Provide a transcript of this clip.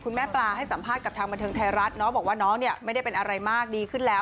แม่ปลาให้สัมภาษณ์กับทางบันเทิงไทยรัฐเนาะบอกว่าน้องเนี่ยไม่ได้เป็นอะไรมากดีขึ้นแล้ว